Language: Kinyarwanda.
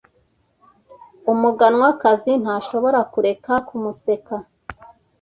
Umuganwakazi ntashobora kureka kumuseka.